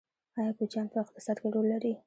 آیا کوچیان په اقتصاد کې رول لري؟